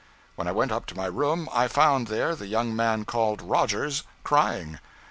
When I went up to my room, I found there the young man called Rogers, crying.